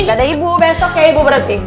gak ada ibu besok ya ibu berhenti